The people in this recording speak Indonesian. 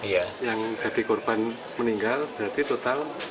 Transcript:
iya yang jadi korban meninggal berarti total